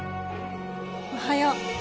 おはよう。